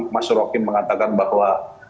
masyarakat mengatakan bahwa